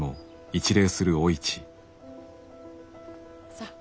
さあ。